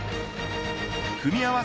組み合わせ